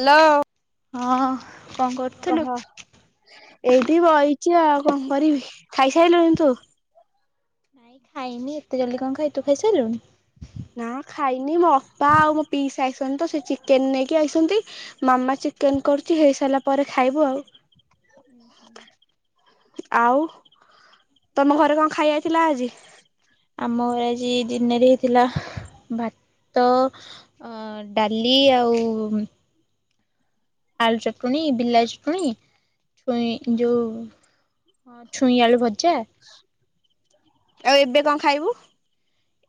ଲ ହଁ କଣ କରୁ କହ ଏଇଠି ବଇଛି ଆଉ। କଣ କରିବି? ଖାଇସାରିଲୁଣି ତୁ? ନାଇ ଖାଇନି ଏତେ ଜଲଦି କଣ ଖାଇ- ତୁ ଖାଇସାରିଲୁଣି? ନା ଖାଇନି ମୋ ଅପା ଆଉ ମୋ ପିଇଶା ଆଇସଛନ୍ତି ତ ସେ ଚିକେନ ନେଇକି ଆଇସନ୍ତି ମାମା ଚିକେନ୍ କରୁଛି ହେଇସାରିଲା ପରେ ଖାଇବୁ ଆଉ। ଉୁଁ ହୁଁ। ଆଉ, ତମ ଘରେ କଣ ଖାଇବା ହେଇଥିଲା ଆଜି? ଆମର ଆଜି ଦିନରେ ହେଇଥିଲା ଭାତ ଅଁ ଡାଲି ଆଉ ଆଳୁ ଚଟଣୀ, ବିଲାତି ଚଟଣି, ଛୁଇଁ ଯୋଉ ହଁ ଛୁଇଁ ଆଳୁ ଭଜା ଆଉ ଏବେ କଣ ଖାଇବୁ?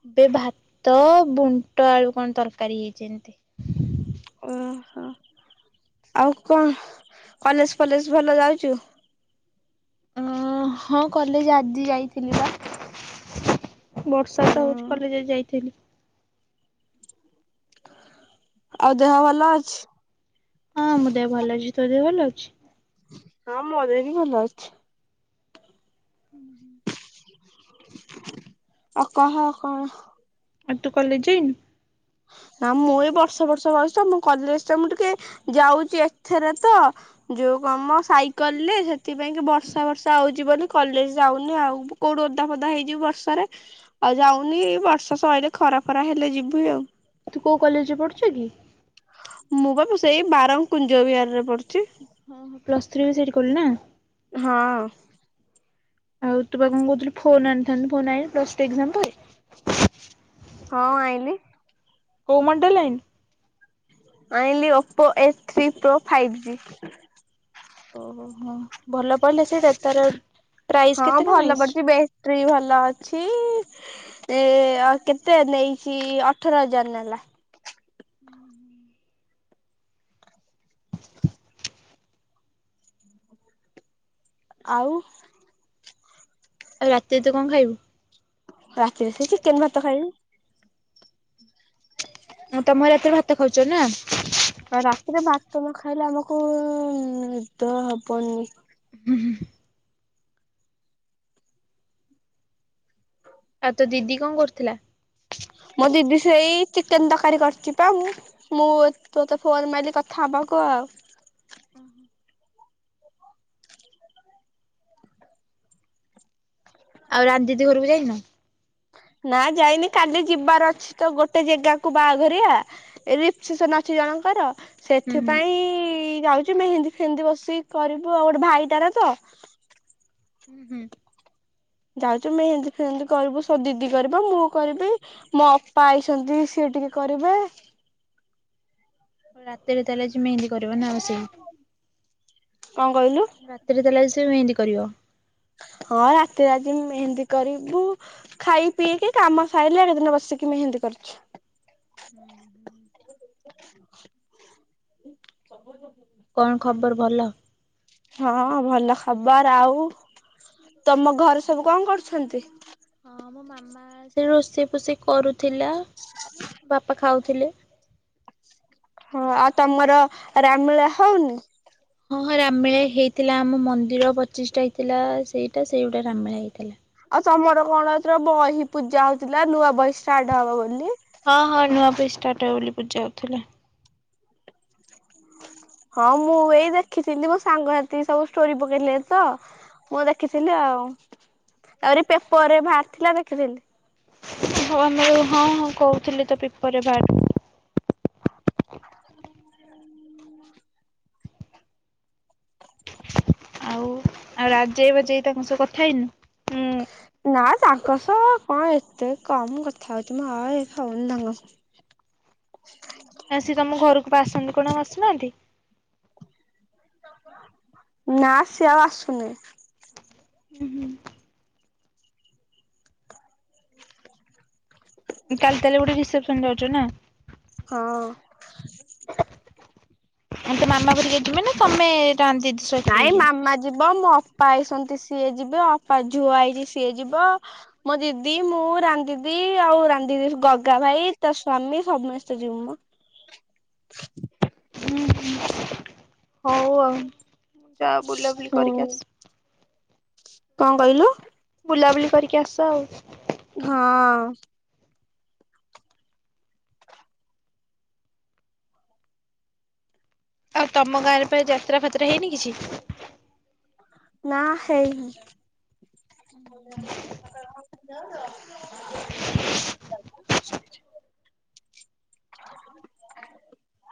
ଏବେ ଭାତ ବୁଣ୍ଟ ଆଳୁ କଣ ତରକାରୀ ହେଇଛି ଏନ୍ତି। ଓହୋ। ଆଉ କଣ କଲେଜ ଫଲେଜ ଭଲ ଯାଉଛୁ? ଅ ହଁ କଲେଜ ଆଜି ଯାଇଥିଲି ବା। ବର୍ଷା ତ ହଉଛି ହୁଁ। କଲେଜ ଯାଇଥିଲି। ଆଉ ଦେହ ଭଲ ଅଛି? ହଁ, ମୋ ଦେହ ଭଲ ଅଛି। ତୋର ଦେହ ଭଲ ଅଛି? ହଁ ମୋ ଦେହ ବି ଭଲ ଅଛି। ଆଉ କହ କଣ? ଆଉ ତୁ କଲେଜ ଯାଇନୁ? ନା ମୁଁ ଏ ବର୍ଷ ବର୍ଷ ବୟସ, ମୁଁ କଲେଜ ଟା ମୁଁ ଟିକେ ଯାଉଛି ଏଥରେ ତ ଯୋଉ କମ ସାଇକେଲ ରେ ସେଥିପାଇଁ କି ବର୍ଷା ବର୍ଷା ହଉଛି ବୋଲି କଲେଜ ଯାଉନି ଆଉ। କୋଉଠୁ ଓଦା ଫଦା ହେଇଯିବି ବର୍ଷାରେ, ଆଉ ଯାଉନି ବର୍ଷା ସଇଲେ ଖରା ଫରା ହେଲେ ଯିବି ଆଉ। ତୁ କୋଉ କଲେଜରେ ପଢୁଛୁ କି? ମୁଁ ବା ମୁଁ ସେଇ ବାର କୁଞ୍ଜ ବିହାରରେ ପଡିୁଛି। ଓ ହୋ ପ୍ଲସ ଥ୍ରୀ ବି ସେଠି କିଲ ନା। ହଁ। ଆଉ ତୁ ବା କଣ କହୁଥିଲୁ ଫୋନ ଆଣିଥାନ୍ତୁ ଫୋନ ଆନିଲୁ ପ୍ଲସ ଥ୍ରି ଏକ୍ସାମ ପରେ? ହଁ ଆଇଲି। କୋଉ ମଡେଲାଇନ? ଆଣିଲି Oppo A three pro five G. ଓହୋ ହଁ ଭଲ ପଇଲେ ସେଇଟା ତାର ପ୍ରାଇସ୍ କେତେ କଣ ଆଇଛି? ଟ୍ରି ଭଲ ଅଛି। ଏ ଆ କେତେ ନେଇଛି ଅଠର ହଜାର ନେଲା। ହୁଁ ହୁଁ। ଆଉ। ଆଉ ରାତିରେ ତୁ କଣ ଖାଇବୁ? ରାତିରେ ସେ ଚିକେନ ଭାତ ଖାଇବି। ଆଉ ତମର ଏତେ ଭା ତ ଖାଉଚ ନା। ଆଉ ରାତିରେ ଭାତ ନ ଖାଇଲେ ଆମକୁ ନିଦ ହବନି। ଆଉ ତ ଦିଦି କଣ କରୁଥିଲା? ମୋ ଦିଦି ସେଇ ଚିକେନ ତରକାରୀ କରିଛି ପା ମୁଁ ମୁଁ ତୋତେ ଫୋନ ମାଇଲି କଥା ହବାକୁ ଆଉ ଆଉ ରାନ୍ ଦିଦି ଘରକୁ ଯାଇନ? ନା ଯାଇନି କାଲି ଯିବାର ଅଛି ତ ଗୋଟେ ଜେଗାକୁ ବାହାଘରିଆ। [unintelligible] ଅଛି ଜଣଙ୍କର ହୁଁ ହୁଁ ସେଥିପାଇଁ ଯାଉଛି ମେହେନ୍ଦୀ ଫେହନ୍ଦି ବସିିକି କରିବୁ ଆଉ ଗୋଟେ ଭାଇତାର ତ। ହୁଁ ହୁଁ। ଯାଉଚୁ ମେହେନ୍ଦି ଫେହେନ୍ଦି କରିବୁ ସ ଦିଦି କରିବ ମୁଁ କରିବି ମୋ ଅପା ଆଇସନ୍ତି ସିଏ ଟିକେ କରିବେ ରାତିରେ ତାହେଲେ ଆଜି ମେହେନ୍ଦି କରିବ ନା ବସିକି। କଣ କହିଲୁ? ରାତିରେ ତାହେଲେ ଆଜି [unintelligible] ମେହେନ୍ଦି କରିବ ହଁ ରାତିରେ ଆଜି ମେହେନ୍ଦି କରିବୁ। ଖାଇ ପିଇକି କାମ ସାଇଲେ [unintelligible] ବସିକି ମେହେନ୍ଦୀ କରୁଛି। ହୁଁ ହୁଁ। [inaudible] କଣ ଖବର ଭଲ? ହଁ ଭଲ ଖବର ଆଉ ତମ ଘରେ ସବୁ କଣ କରୁଛନ୍ତି? ହଁ ମୋ ମାମା ସେ ରୋଷେଇ ଫୋଷେଇ କରୁଥିଲା ବାପା ଖାଉଥିଲେ। ହଁ ଆଉ ତମର ରାମମେଳା ହଉନି ହଁ ହଁ ରାମମେଳା ହେଇଥିଲା ଆମ ମନ୍ଦିର ପଚିଶଟା ହେଇଥିଲା ସେଇଟା ସେଇଗୁଟା ରାମିମେଳା ହେଇଥିଲା। ଆଉ ତମର କଣ ଏଥର ବହି ପୂଜା ହଉଥିଲା ନୂଆ ବହି ଷ୍ଟାର୍ଟ ହବ ବୋଲି? ହଁ ହଁ ନୂଆ ବହି ଷ୍ଟାର୍ଟ ହବ ବୋଲି ପୂଜା ହଉଥିଲେ। ହଁ ମୁଁ ଏଇ ଦେଖିଥିଲି ମୋ ସାଙ୍ଗସାଥି ସବୁ ଷ୍ଟୋରି ପକେଇଲେ ତ। ମୁଁ ଦେଖିଥିଲି ଆଉ ଆହୁରି ପେପରରେ ବାହାରିଥିଲା ଦେଖିଥିଲି। [inaudible] ହଁ ହଁ କହୁଥିଲେ ତ ପେପରେ ବାହାର ହ ଆଉ ଆଉ ରାଜେଇ ବାଜେଇ ତାଙ୍କ ସହ କଥା ହେଇନୁଁ ହୁଁ ନା ତାଙ୍କ ସହ କଣ ଏତେ କମ କଥା ହଉଚି ମ ଆଉ ଏ ହଉନି ତାଙ୍କ ଆ ସିଏ ତମ ଘରକୁ ପା ଆସନ୍ତି କଣ ଆଉ ଆସୁନାହାନ୍ତି? ନା ସିଏ ଆଉ ଆସୁନି। ଉଁ ହୁଁ। କାଲି ତାହେଲେ ଗୋଟେ ରିସେପସନ୍ ଯାଉଚ ନା? ହଁ। [unintelligible] ନାଇଁ ଯାଇଛ? ମାମା ଯିବ ମୋ ଅପା ଆଇସନ୍ତି ସିଏ ଯିବେ ଅପା ଝୁଅ ଆଇଚି ସିଏ ଯିବ। ମୋ ଦିଦି ମୁଁ ରାନ୍ ଦିଦି ଆଉ ରାନଦି ଗଗା ଭାଇ ତା ସ୍ଵାମୀ ସମସ୍ତେ ଯିବୁ ମ। [unintelligible] ହୁଁ ହୁଁ ହଉ ଆଉ ଯା ବୁଲାବୁଲି ହୁଁ। କରିକି ଆସ କଣ କହିଲୁ ବୁଲାବୁଲି କରିକି ଆସ ଆଉ। ହଁ। ଆଉ ତମ ଗାଁ ରେ ପାଇଁ ଯାତ୍ରା ଫାତ୍ରା ହେଇନି କିଛି? ନା ହେଇନି। [unintelligible]